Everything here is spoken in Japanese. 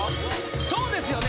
そうですよね